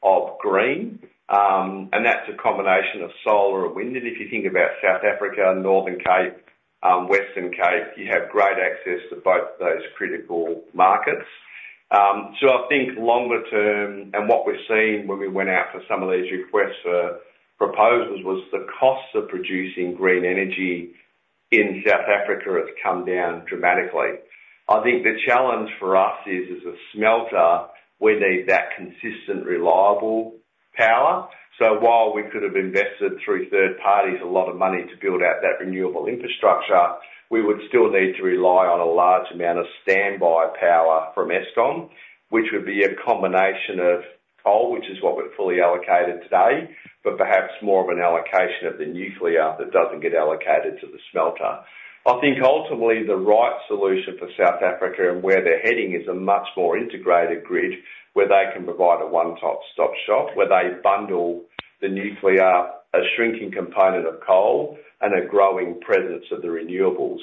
of green, and that's a combination of solar and wind. And if you think about South Africa, Northern Cape, Western Cape, you have great access to both those critical markets. So I think longer term, and what we've seen when we went out for some of these requests for proposals, was the cost of producing green energy in South Africa has come down dramatically. I think the challenge for us is, as a smelter, we need that consistent, reliable power. While we could have invested, through third parties, a lot of money to build out that renewable infrastructure, we would still need to rely on a large amount of standby power from Eskom, which would be a combination of coal, which is what we're fully allocated today, but perhaps more of an allocation of the nuclear that doesn't get allocated to the smelter. I think ultimately, the right solution for South Africa and where they're heading is a much more integrated grid, where they can provide a one-stop shop, where they bundle the nuclear, a shrinking component of coal, and a growing presence of the renewables.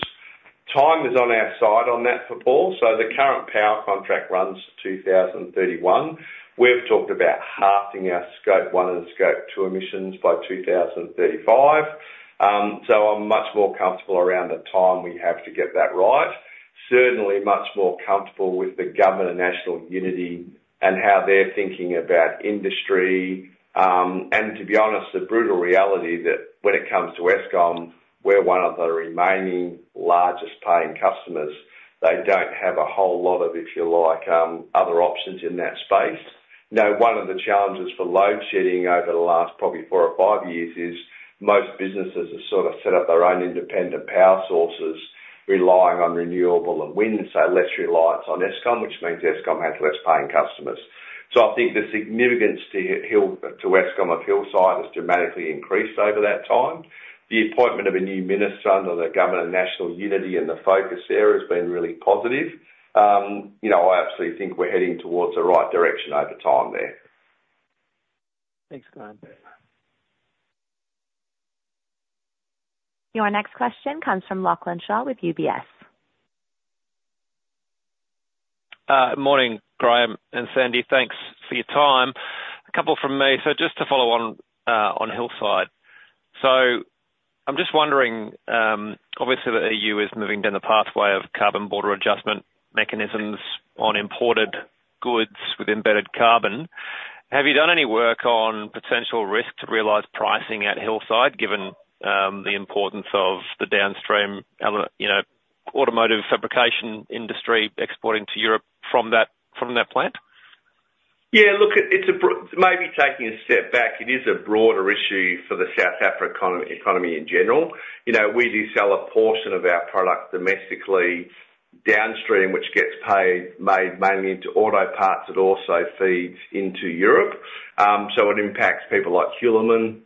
Time is on our side on that front, Paul, so the current power contract runs to two thousand and thirty-one. We've talked about halving our Scope One and Scope Two emissions by two thousand and thirty-five. So I'm much more comfortable around the time we have to get that right. Certainly, much more comfortable with the Government of National Unity and how they're thinking about industry, and to be honest, the brutal reality that when it comes to Eskom, we're one of the remaining largest paying customers. They don't have a whole lot of, if you like, other options in that space. Now, one of the challenges for load shedding over the last probably four or five years is most businesses have sort of set up their own independent power sources, relying on renewable and wind, so less reliance on Eskom, which means Eskom has less paying customers. So I think the significance to Eskom of Hillside has dramatically increased over that time. The appointment of a new minister under the Government of National Unity and the focus there has been really positive. You know, I absolutely think we're heading towards the right direction over time there. Thanks, Graham. Your next question comes from Lachlan Shaw with UBS. Morning, Graham and Sandy. Thanks for your time. A couple from me. Just to follow on Hillside. I'm just wondering, obviously, the E.U. is moving down the pathway of carbon border adjustment mechanisms on imported goods with embedded carbon. Have you done any work on potential risks to realize pricing at Hillside, given the importance of the downstream element, you know, automotive fabrication industry exporting to Europe from that plant? Yeah, look, it's a broader issue for the South Africa economy, economy in general. You know, we do sell a portion of our product domestically downstream, which gets paid, made mainly into auto parts that also feeds into Europe. So it impacts people like Hulamin,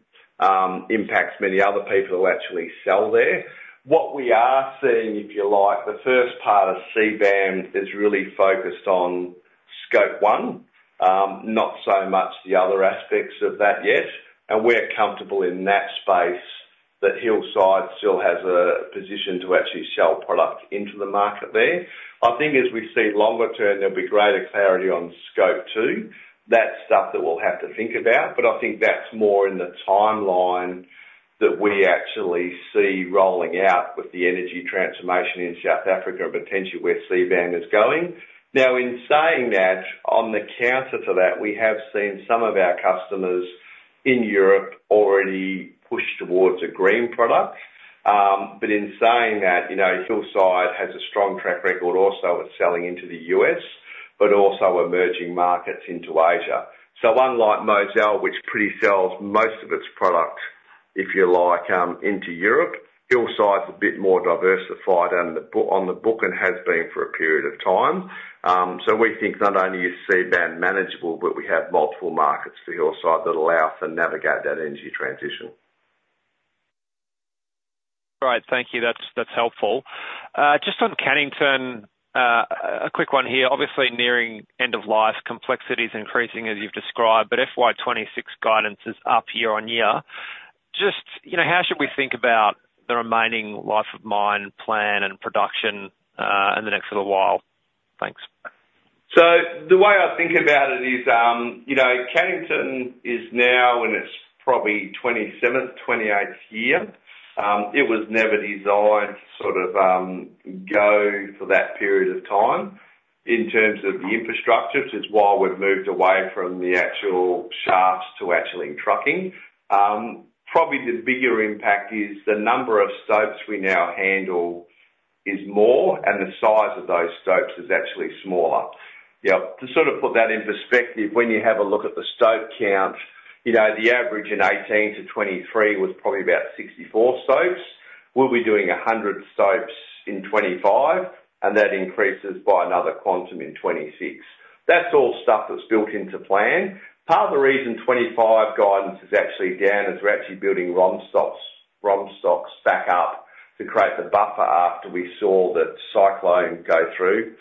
impacts many other people who actually sell there. What we are seeing, if you like, the first part of CBAM is really focused on Scope One, not so much the other aspects of that yet, and we're comfortable in that space, that Hillside still has a position to actually sell product into the market there. I think as we see longer term, there'll be greater clarity on Scope Two. That's stuff that we'll have to think about, but I think that's more in the timeline that we actually see rolling out with the energy transformation in South Africa and potentially where CBAM is going. Now, in saying that, on the counter to that, we have seen some of our customers in Europe already push towards a green product, but in saying that, you know, Hillside has a strong track record also of selling into the U.S., but also emerging markets into Asia. So unlike Mozal, which pre-sells most of its product, if you like, into Europe, Hillside's a bit more diversified on the book and has been for a period of time, so we think not only is CBAM manageable, but we have multiple markets for Hillside that allow us to navigate that energy transition. Great. Thank you. That's, that's helpful. Just on Cannington, a quick one here. Obviously, nearing end of life, complexity is increasing as you've described, but FY 2026 guidance is up year on year. Just, you know, how should we think about the remaining life of mine plan and production in the next little while? Thanks. So the way I think about it is, you know, Cannington is now in its probably twenty-seventh, twenty-eighth year. It was never designed to sort of go for that period of time in terms of the infrastructure, which is why we've moved away from the actual shafts to actually trucking. Probably the bigger impact is the number of stopes we now handle is more, and the size of those stopes is actually smaller. Yeah, to sort of put that in perspective, when you have a look at the stope count, you know, the average in 2018-2023 was probably about 64 stopes. We'll be doing 100 stopes in 2025, and that increases by another quantum in 2026. That's all stuff that's built into plan. Part of the reason twenty-five guidance is actually down is we're actually building ROM stocks, ROM stocks back up to create the buffer after we saw that cyclone go through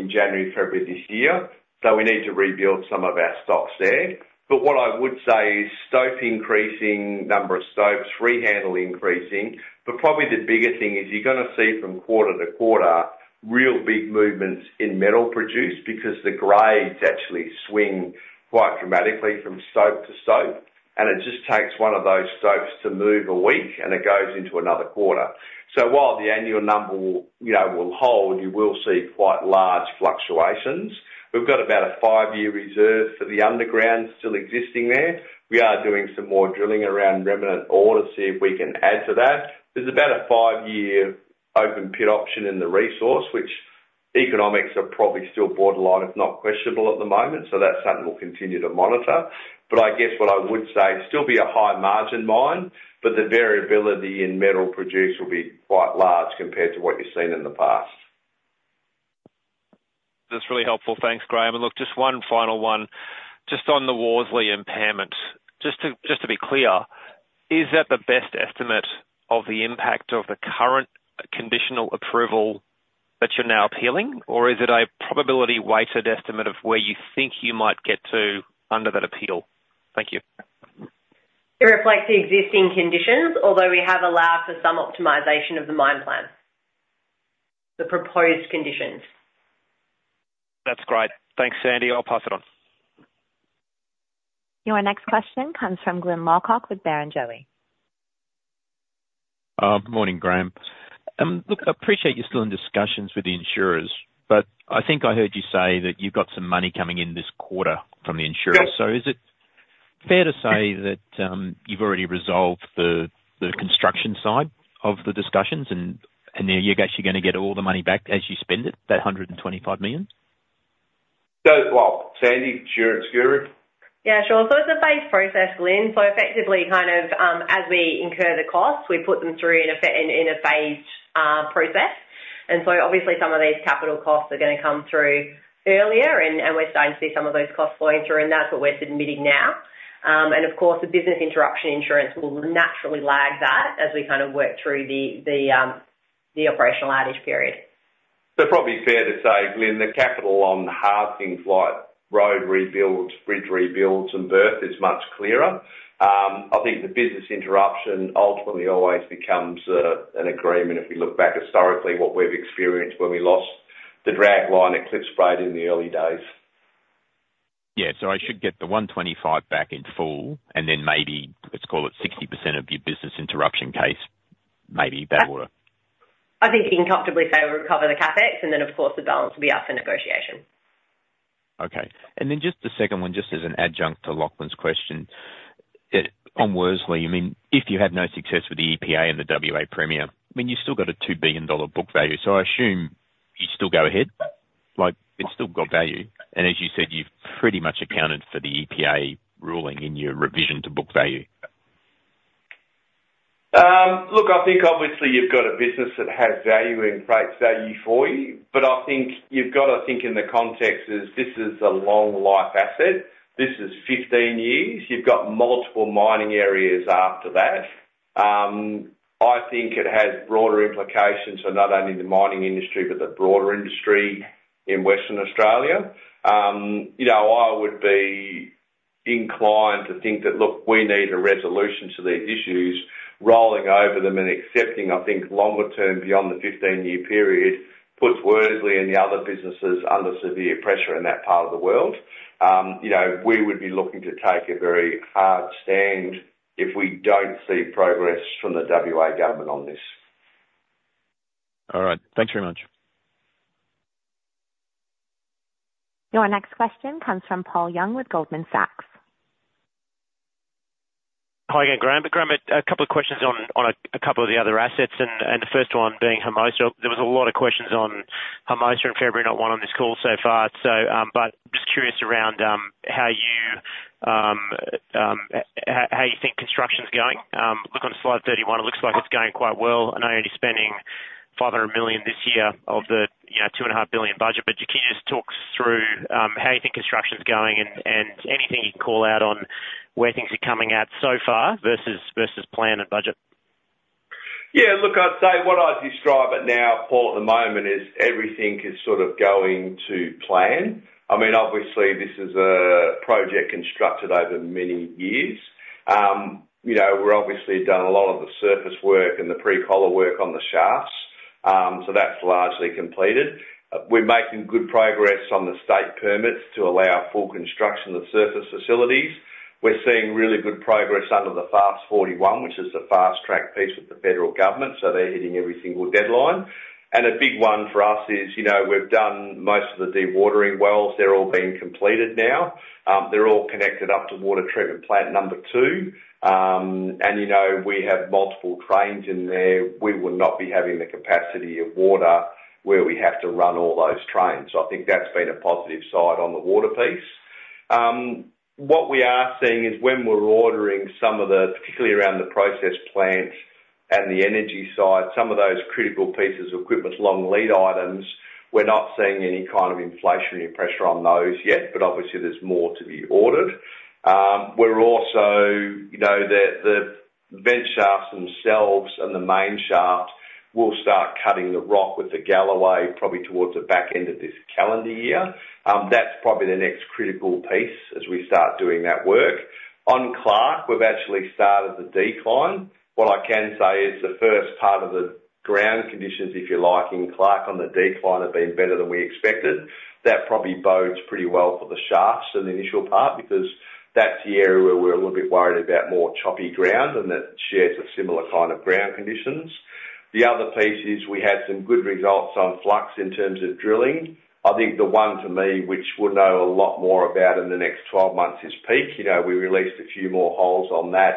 in January, February this year. So we need to rebuild some of our stocks there. But what I would say is stope increasing, number of stopes, free handle increasing, but probably the biggest thing is you're gonna see from quarter to quarter, real big movements in metal produced because the grades actually swing quite dramatically from stope to stope, and it just takes one of those stopes to move a week, and it goes into another quarter. So while the annual number will, you know, will hold, you will see quite large fluctuations. We've got about a five-year reserve for the underground still existing there. We are doing some more drilling around remnant ore to see if we can add to that. There's about a five-year open pit option in the resource, which economics are probably still borderline, if not questionable at the moment, so that's something we'll continue to monitor, but I guess what I would say, still be a high margin mine, but the variability in metal produced will be quite large compared to what you've seen in the past. That's really helpful. Thanks, Graham. And look, just one final one, just on the Worsley impairment. Just to, just to be clear, is that the best estimate of the impact of the current conditional approval that you're now appealing? Or is it a probability weighted estimate of where you think you might get to under that appeal? Thank you. It reflects the existing conditions, although we have allowed for some optimization of the mine plan. The proposed conditions. That's great. Thanks, Sandy. I'll pass it on. Your next question comes from Glyn Lawcock with Barrenjoey. Good morning, Graham. Look, I appreciate you're still in discussions with the insurers, but I think I heard you say that you've got some money coming in this quarter from the insurer. Yes. Is it fair to say that you've already resolved the construction side of the discussions and then you guess you're gonna get all the money back as you spend it, that $125 million? Sandy, insurance guru? Yeah, sure. So it's a phased process, Glyn. So effectively, kind of, as we incur the costs, we put them through in a phased process. And so obviously, some of these capital costs are gonna come through earlier, and we're starting to see some of those costs flowing through, and that's what we're submitting now. And of course, the business interruption insurance will naturally lag that as we kind of work through the operational outage period. So probably fair to say, Glyn, the capital on the hard things like road rebuild, bridge rebuilds, and berth is much clearer. I think the business interruption ultimately always becomes an agreement. If you look back historically, what we've experienced when we lost the drag line at Klipspruit in the early days. Yeah, so I should get the 125 back in full, and then maybe, let's call it 60% of your business interruption case, maybe that order. I think you can comfortably say we'll recover the CapEx, and then, of course, the balance will be up for negotiation. Okay. And then just the second one, just as an adjunct to Lachlan's question. On Worsley, I mean, if you have no success with the EPA and the WA premier, I mean, you've still got a $2 billion book value, so I assume you still go ahead? Like, it's still got value. And as you said, you've pretty much accounted for the EPA ruling in your revision to book value. Look, I think obviously you've got a business that has value and creates value for you. But I think you've got to think in the context is, this is a long life asset. This is fifteen years. You've got multiple mining areas after that. I think it has broader implications for not only the mining industry, but the broader industry in Western Australia. You know, I would be inclined to think that, look, we need a resolution to these issues. Rolling over them and accepting, I think longer term, beyond the fifteen-year period, puts Worsley and the other businesses under severe pressure in that part of the world. You know, we would be looking to take a very hard stand if we don't see progress from the WA government on this. All right. Thanks very much. Your next question comes from Paul Young with Goldman Sachs. Hi again, Graham. But Graham, a couple of questions on a couple of the other assets, and the first one being Hermosa. There was a lot of questions on Hermosa in February, not one on this call so far. So, but just curious around how you think construction's going. Look on slide 31, it looks like it's going quite well, and only spending $500 million this year of the, you know, $2.5 billion budget. But can you just talk us through how you think construction's going and anything you can call out on where things are coming out so far versus plan and budget? Yeah, look, I'd say what I'd describe it now, Paul, at the moment, is everything is sort of going to plan. I mean, obviously, this is a project constructed over many years. You know, we're obviously done a lot of the surface work and the pre-collar work on the shafts, so that's largely completed. We're making good progress on the state permits to allow full construction of surface facilities. We're seeing really good progress under the FAST-41, which is the fast-track piece with the federal government, so they're hitting every single deadline. And a big one for us is, you know, we've done most of the dewatering wells. They're all being completed now. They're all connected up to water treatment plant number two. And, you know, we have multiple trains in there. We will not be having the capacity of water where we have to run all those trains. So I think that's been a positive side on the water piece. What we are seeing is when we're ordering some of the, particularly around the process plant and the energy side, some of those critical pieces of equipment, long lead items, we're not seeing any kind of inflationary pressure on those yet, but obviously there's more to be ordered. We're also, you know, the vent shafts themselves and the main shafts, we'll start cutting the rock with the Galloway, probably towards the back end of this calendar year. That's probably the next critical piece as we start doing that work. On Clark, we've actually started the decline. What I can say is, the first part of the ground conditions, if you like, in Clark on the decline have been better than we expected. That probably bodes pretty well for the shafts in the initial part, because that's the area where we're a little bit worried about more choppy ground, and that shares a similar kind of ground conditions. The other piece is we had some good results on Flux in terms of drilling. I think the one to me, which we'll know a lot more about in the next 12 months, is Peake. You know, we released a few more holes on that,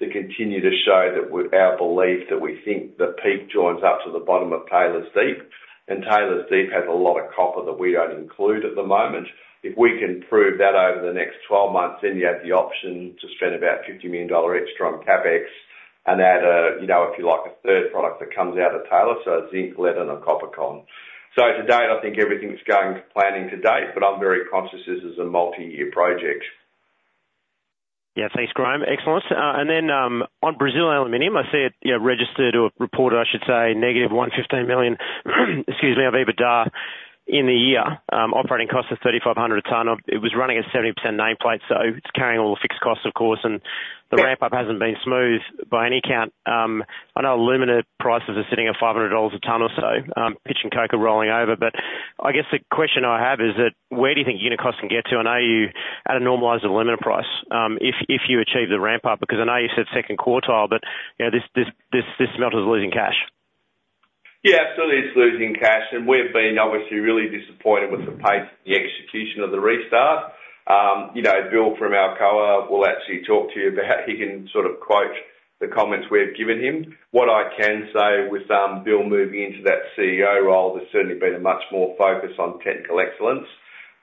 that continue to show that our belief, that we think that Peake joins up to the bottom of Taylor's Deep. Taylor's Deep has a lot of copper that we don't include at the moment. If we can prove that over the next twelve months, then you have the option to spend about $50 million extra on CapEx and add a, you know, if you like, a third product that comes out of Taylor, so a zinc, lead, and a copper con. So to date, I think everything's going to plan to date, but I'm very conscious this is a multi-year project. Yeah, thanks, Graham. Excellent. And then, on Brazil Aluminium, I see it, you know, registered or reported, I should say, -$115 million of EBITDA in the year. Operating costs of 3,500 a ton. It was running at 70% nameplate, so it's carrying all the fixed costs, of course, and. Yeah. The ramp up hasn't been smooth by any count. I know alumina prices are sitting at $500 a ton or so. Pitch and coke are rolling over. But I guess the question I have is that, where do you think unit costs can get to? I know you at a normalized alumina price, if you achieve the ramp up, because I know you said second quartile, but, you know, this smelter is losing cash. Yeah, absolutely, it's losing cash, and we've been obviously really disappointed with the pace of the execution of the restart. You know, Bill from Alcoa will actually talk to you about... He can sort of quote the comments we've given him. What I can say with, Bill moving into that CEO role, there's certainly been a much more focus on technical excellence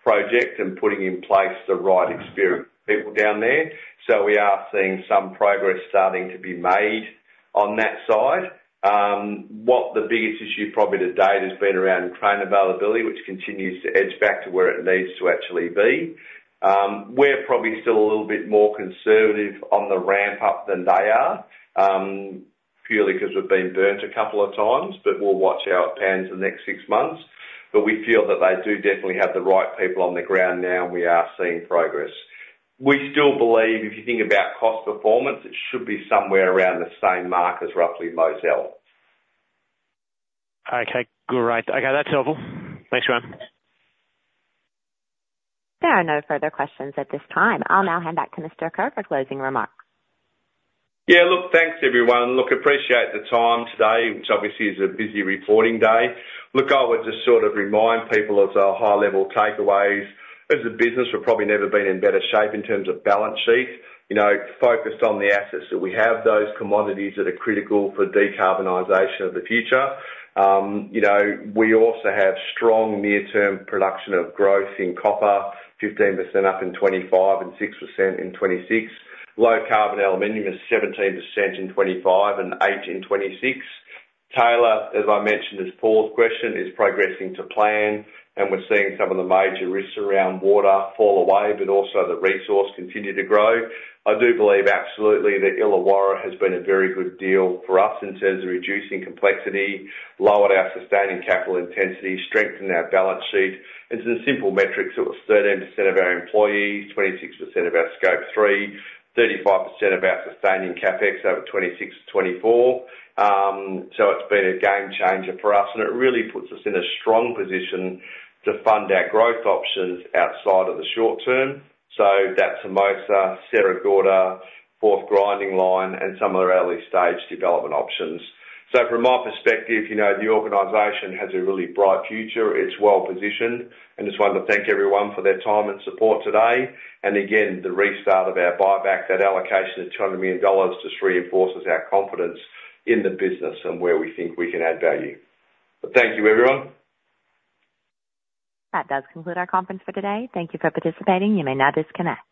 project and putting in place the right experienced people down there. So we are seeing some progress starting to be made on that side. What the biggest issue probably to date has been around crane availability, which continues to edge back to where it needs to actually be. We're probably still a little bit more conservative on the ramp up than they are, purely 'cause we've been burnt a couple of times, but we'll watch our plans the next six months. But we feel that they do definitely have the right people on the ground now, and we are seeing progress. We still believe, if you think about cost performance, it should be somewhere around the same mark as roughly Mozal. Okay, great. Okay, that's helpful. Thanks, Graham. There are no further questions at this time. I'll now hand back to Mr. Kerr for closing remarks. Yeah, look, thanks, everyone. Look, appreciate the time today, which obviously is a busy reporting day. Look, I would just sort of remind people of our high-level takeaways. As a business, we've probably never been in better shape in terms of balance sheet. You know, focused on the assets that we have, those commodities that are critical for decarbonization of the future. You know, we also have strong near-term production of growth in copper, 15% up in 2025 and 6% in 2026. Low carbon aluminum is 17% in 2025 and 8% in 2026. Taylor, as I mentioned in Paul's question, is progressing to plan, and we're seeing some of the major risks around water fall away, but also the resource continue to grow. I do believe absolutely that Illawarra has been a very good deal for us in terms of reducing complexity, lowered our sustaining capital intensity, strengthened our balance sheet. It's a simple metric, so it was 13% of our employees, 26% of our Scope 3, 35% of our sustaining CapEx over 2026 to 2024. So it's been a game changer for us, and it really puts us in a strong position to fund our growth options outside of the short term. So that's Hermosa, Sierra Gorda, fourth grinding line, and some of our early-stage development options. So from my perspective, you know, the organization has a really bright future. It's well positioned. I just want to thank everyone for their time and support today. Again, the restart of our buyback, that allocation of $200 million, just reinforces our confidence in the business and where we think we can add value. Thank you, everyone. That does conclude our conference for today. Thank you for participating. You may now disconnect.